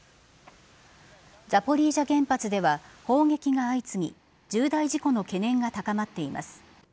ザポリージャ原発では砲撃が相次ぎ重大事故の懸念が高まっています。